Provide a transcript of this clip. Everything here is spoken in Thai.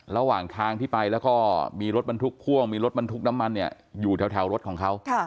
ระหว่างทางที่ไปแล้วก็มีรถบรรทุกพ่วงมีรถบรรทุกน้ำมันเนี่ยอยู่แถวรถของเขา